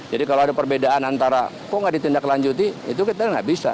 jadi kalau ada perbedaan antara kok gak ditindak lanjuti itu kita gak bisa